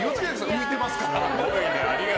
浮いてますから。